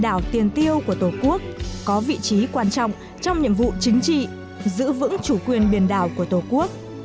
đảo tiền tiêu của tổ quốc có vị trí quan trọng trong nhiệm vụ chính trị giữ vững chủ quyền biển đảo của tổ quốc